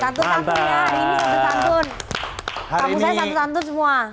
tentu saja ini hari ini satu satu semua